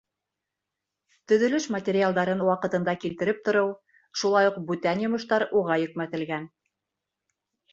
Төҙөлөш материалдарын ваҡытында килтереп тороу, шулай уҡ бүтән йомоштар уға йөкмәтелгән.